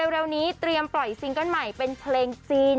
เร็วนี้เตรียมปล่อยซิงเกิ้ลใหม่เป็นเพลงจีน